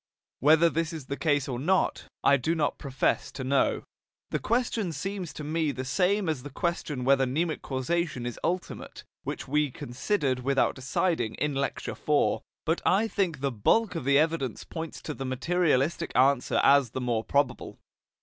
Whether this is the case or not, I do not profess to know. The question seems to me the same as the question whether mnemic causation is ultimate, which we considered without deciding in Lecture IV. But I think the bulk of the evidence points to the materialistic answer as the more probable.